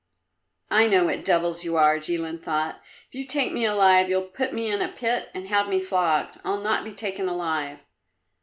"I know what devils you are!" Jilin thought. "If you take me alive, you'll put me in a pit and have me flogged. I'll not be taken alive!"